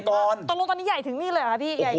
ตรงนี้ใหญ่ถึงนี่เลยหรือครับพี่